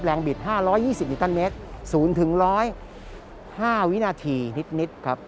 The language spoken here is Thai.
แรงบิด๕๒๐นิตรเมตร๐๑๐๐วินาทีนิดครับ